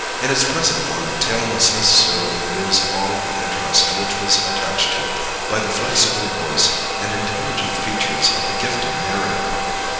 In its present form the tale must necessarily lose all the interest which was attached to it by the flexible voice and intelligent features of the gifted narrator.